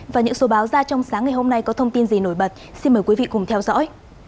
và những số báo ra trong sáng ngày hôm nay có thông tin gì nổi bật xin mời quý vị cùng theo dõi